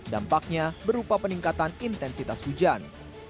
dampaknya berupa peningkatan intensitas hujan